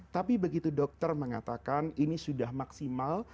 tapi begitu dokter mengatakan ini sudah maksimal